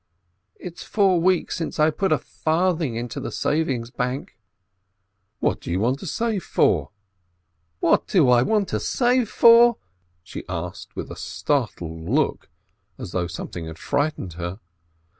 "It's four weeks since I put a farthing into the savings bank." "What do you want to save for?" "What do I want to save for?" she asked with a startled look, as though something had frightened her.